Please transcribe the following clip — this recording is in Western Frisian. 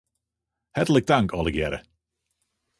Hertlik tank allegearre.